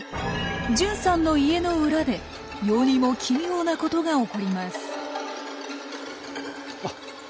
純さんの家の裏で世にも奇妙なことが起こります。